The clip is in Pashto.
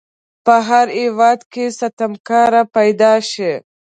په هر هیواد کې ستمکاره پیداشي.